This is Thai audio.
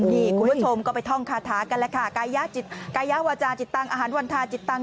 นี่คุณผู้ชมก็ไปท่องคาถากันแหละค่ะกายวาจาจิตตังอาหารวันทาจิตตัง